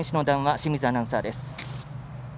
清水アナウンサーです。